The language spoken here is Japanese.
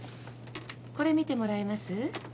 これ見てもらえます？